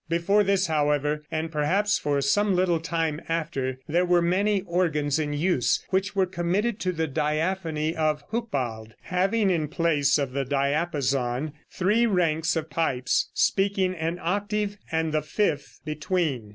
Before this, however, and perhaps for some little time after, there were many organs in use, which were committed to the diaphony of Hucbald, having in place of the diapason three ranks of pipes, speaking an octave and the fifth between.